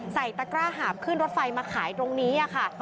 ตะกร้าหาบขึ้นรถไฟมาขายตรงนี้ค่ะ